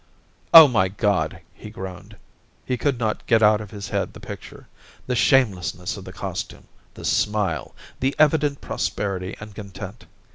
* Oh, my God !* he groaned ; he could not get out of his head the picture, the shame lessness of the costume, the smile, the evident prosperity and content.